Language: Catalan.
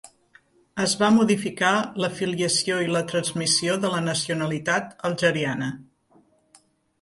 Es va modificar la filiació i la transmissió de la nacionalitat algeriana.